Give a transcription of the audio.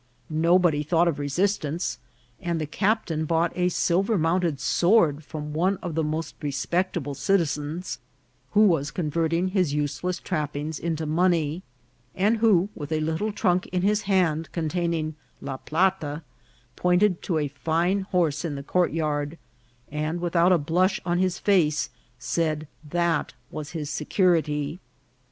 Nobody thought of resistance ; and the cap tain bought a silver mounted sword from one of the most respectable citizens, who was converting his use less trappings into money, and who, with a little trunk in his hand containing la plata, pointed to a fine horse in the courtyard, and without a blush on his face said that was his security.